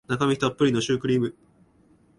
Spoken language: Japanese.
中身たっぷりのシュークリーム